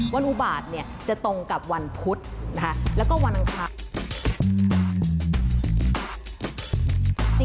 วันอุบาทจะตรงกับวันพุธแล้วก็วันอังคาร